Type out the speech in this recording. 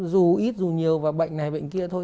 dù ít dù nhiều và bệnh này bệnh kia thôi